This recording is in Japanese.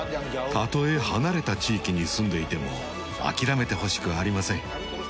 たとえ離れた地域に住んでいても諦めてほしくありません。